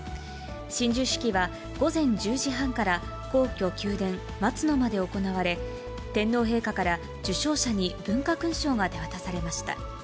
親授式は午前１０時半から、皇居・宮殿、松の間で行われ、天皇陛下から受章者に文化勲章が手渡されました。